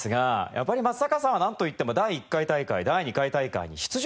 やっぱり松坂さんはなんといっても第１回大会第２回大会に出場しています。